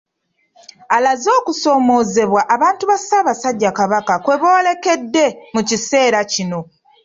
Alaze okusoomoozebwa abantu ba Ssaabasajja Kabaka kwe boolekedde mu kiseera kino.